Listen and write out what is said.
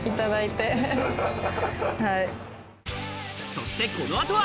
そしてこの後は、